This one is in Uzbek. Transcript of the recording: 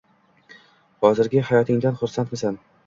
Hozirgi hayotingdan xursandmisan